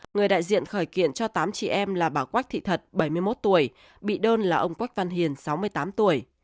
người đại diện khởi kiện cho tám chị em là bà quách thị thật bảy mươi một tuổi bị đơn là ông quách văn hiền sáu mươi tám tuổi